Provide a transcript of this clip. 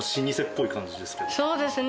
そうですね。